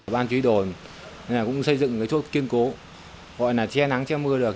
bán trí đồn cũng xây dựng một chốt kiên cố gọi là che nắng che mưa được